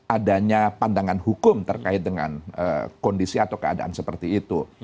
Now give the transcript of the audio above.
adanya pandangan hukum terkait dengan kondisi atau keadaan seperti itu